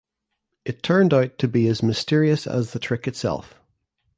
It turned out to be as mysterious as the trick itself.